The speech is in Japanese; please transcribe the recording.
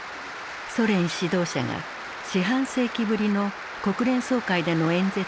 ソ連指導者が四半世紀ぶりの国連総会での演説に臨んだ。